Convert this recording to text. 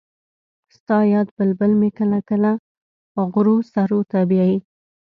ستا یاد بلبل مې کله کله غرو سرو ته بیايي